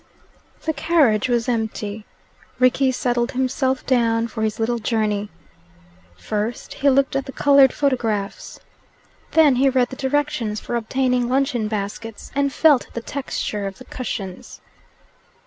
The carriage was empty. Rickie settled himself down for his little journey. First he looked at the coloured photographs. Then he read the directions for obtaining luncheon baskets, and felt the texture of the cushions.